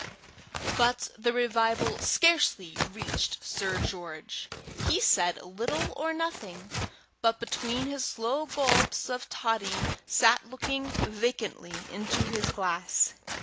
But the revival scarcely reached Sir George. He said little or nothing, but, between his slow gulps of toddy, sat looking vacantly into his glass.